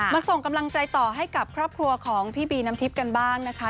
ส่งกำลังใจต่อให้กับครอบครัวของพี่บีน้ำทิพย์กันบ้างนะคะ